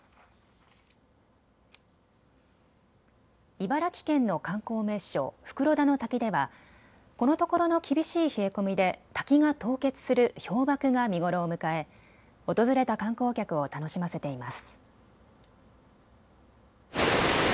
茨城県の観光名所、袋田の滝ではこのところの厳しい冷え込みで滝が凍結する氷ばくが見頃を迎え訪れた観光客を楽しませています。